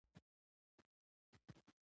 د صفوي پاچاهانو عیاشي د هغوی د زوال سبب شوه.